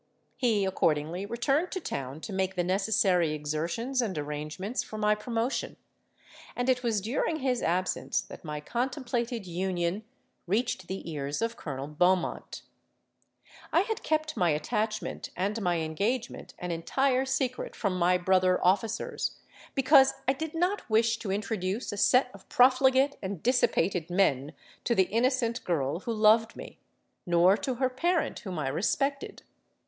He accordingly returned to town to make the necessary exertions and arrangements for my promotion; and it was during his absence that my contemplated union reached the ears of Colonel Beaumont. I had kept my attachment and my engagement an entire secret from my brother officers, because I did not wish to introduce a set of profligate and dissipated men to the innocent girl who loved me, nor to her parent whom I respected.